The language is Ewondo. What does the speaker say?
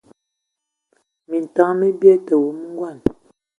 Minton mi bie, tə wumu ngɔn.